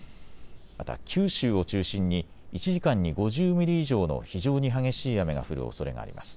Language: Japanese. また九州を中心に１時間に５０ミリ以上の非常に激しい雨が降るおそれがあります。